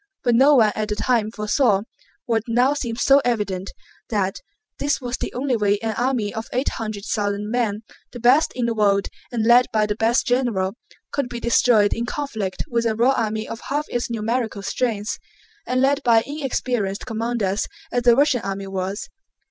But no one at the time foresaw (what now seems so evident) that this was the only way an army of eight hundred thousand men—the best in the world and led by the best general—could be destroyed in conflict with a raw army of half its numerical strength, and led by inexperienced commanders as the Russian army was.